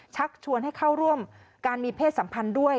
ชักชวนให้เข้าร่วมการมีเพศสัมพันธ์ด้วย